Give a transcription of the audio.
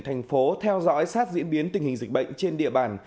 thành phố theo dõi sát diễn biến tình hình dịch bệnh trên địa bàn